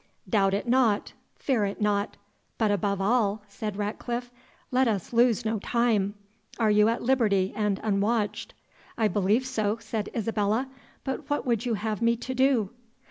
"Doubt it not fear it not but above all," said Ratcliffe, "let us lose no time are you at liberty, and unwatched?" "I believe so," said Isabella: "but what would you have me to do?"